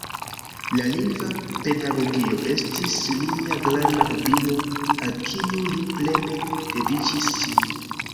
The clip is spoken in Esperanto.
La lingva pedagogio estis lia granda hobio, al kiu li plene dediĉis sin.